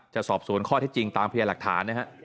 จะสอบสวนข้อที่จริงตามพิวัติหลักฐานนะครับ